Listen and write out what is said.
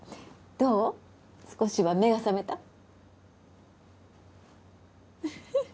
どう少しは目が覚めた？